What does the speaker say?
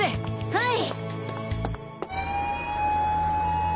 はい。